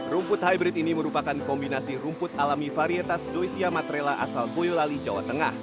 rumput hybrid ini merupakan kombinasi rumput alami varietas soisia matrela asal boyolali jawa tengah